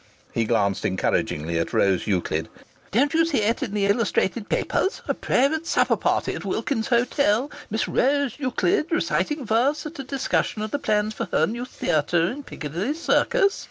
He glanced encouragingly at Rose Euclid. "Don't you see it in the illustrated papers? A prayvate supper party at Wilkins's Hotel. Miss Ra ose Euclid reciting verse at a discussion of the plans for her new theatre in Piccadilly Circus.